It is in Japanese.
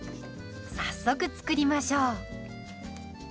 早速作りましょう。